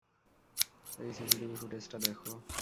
এই সিসিটিভি ফুটেজটা দেখো।